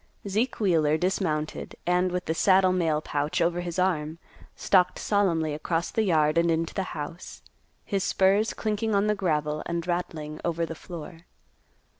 Zeke Wheeler dismounted, and, with the saddle mail pouch over his arm, stalked solemnly across the yard and into the house, his spurs clinking on the gravel and rattling over the floor.